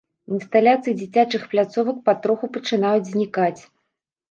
Інсталяцыі дзіцячых пляцовак патроху пачынаюць знікаць.